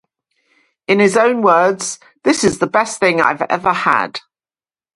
In his own words, This is the best thing I've ever had.